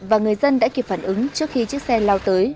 và người dân đã kịp phản ứng trước khi chiếc xe lao tới